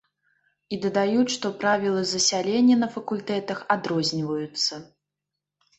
І дадаюць, што правілы засялення на факультэтах адрозніваюцца.